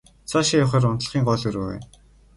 Цаашаа явахаар унтлагын гол өрөө байна.